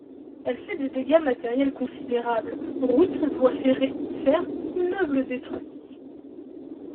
Elle fait et des dégâts matériels considérables, routes, voies ferrées, fermes, immeubles détruits.